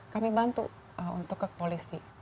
kami bantu untuk ke polisi